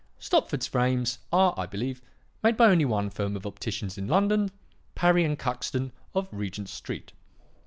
Stopford's frames are, I believe, made by only one firm of opticians in London, Parry & Cuxton of Regent Street.